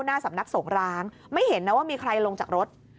หน้าสำนักสงร้างไม่เห็นนะว่ามีใครลงจากรถ